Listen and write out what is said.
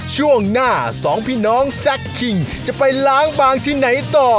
ช่วงหน้าสองพี่น้องแซคคิงจะไปล้างบางที่ไหนต่อ